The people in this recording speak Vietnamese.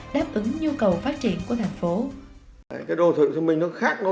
đáp ứng nhu cầu phát triển của thành phố